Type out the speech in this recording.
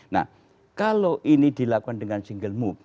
nah kalau ini dilakukan dengan single move